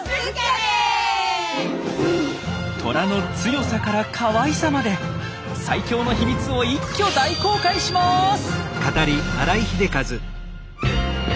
トラの強さからかわいさまで最強の秘密を一挙大公開します！